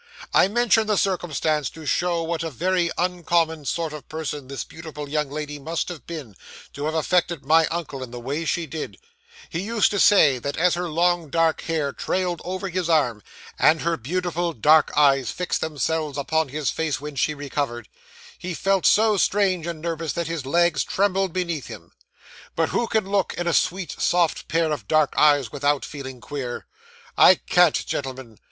I mention the circumstance, to show what a very uncommon sort of person this beautiful young lady must have been, to have affected my uncle in the way she did; he used to say, that as her long dark hair trailed over his arm, and her beautiful dark eyes fixed themselves upon his face when she recovered, he felt so strange and nervous that his legs trembled beneath him. But who can look in a sweet, soft pair of dark eyes, without feeling queer? I can't, gentlemen.